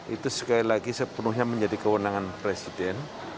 itu sekali lagi sepenuhnya menjadi kewenangan presiden